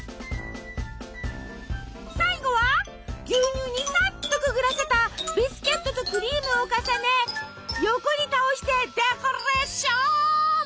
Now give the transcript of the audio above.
最後は牛乳にさっとくぐらせたビスケットとクリームを重ね横に倒してデコレーション！